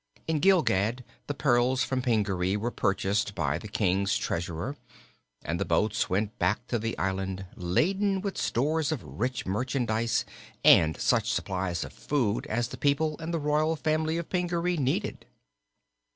In Gilgad the pearls from Pingaree were purchased by the King's treasurer, and the boats went back to the island laden with stores of rich merchandise and such supplies of food as the people and the royal family of Pingaree needed.